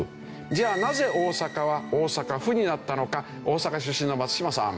じゃあなぜ大阪は「大阪府」になったのか大阪出身の松嶋さん。